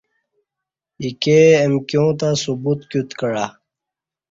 ایکے امکیوں تہ ثبوت کیوت کعہ